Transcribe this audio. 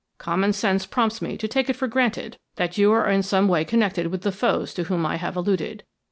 Common sense prompts me to take it for granted that you are in some wry connected with the foes to whom I have alluded."